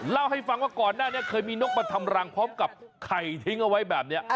เล่าให้ฟังว่าก่อนหน้านี้เคยมีนกมาทำรังพร้อมกับไข่ทิ้งเอาไว้แบบนี้